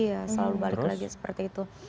iya selalu balik lagi seperti itu